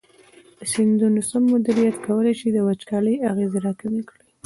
د سیندونو سم مدیریت کولی شي د وچکالۍ اغېزې راکمې کړي.